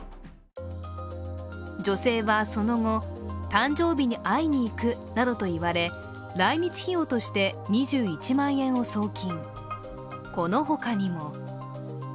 女性はその後、誕生日に会いに行くなどと言われ、来日費用として２１万円を送金。